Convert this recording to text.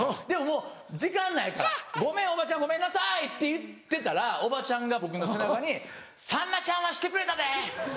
でももう時間ないから「ごめんおばちゃんごめんなさい！」。って言ってたらおばちゃんが僕の背中に「さんまちゃんはしてくれたで！